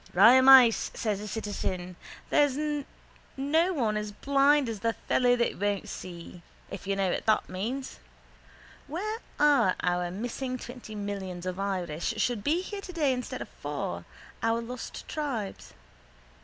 —Raimeis, says the citizen. There's no one as blind as the fellow that won't see, if you know what that means. Where are our missing twenty millions of Irish should be here today instead of four, our lost tribes?